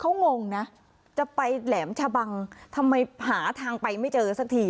เขางงนะจะไปแหลมชะบังทำไมหาทางไปไม่เจอสักที